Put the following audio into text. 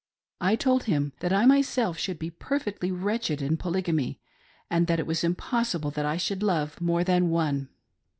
I told him that I myself should.be perfectly wretched in Poly gamy, and that it was impossible that I should love more than one.